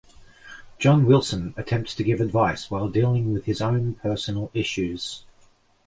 John Wilson attempts to give advice while dealing with his own personal issues.